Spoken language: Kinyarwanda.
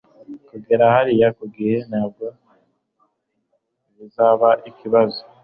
Kugera hariya ku gihe ntabwo bizaba ikibazo.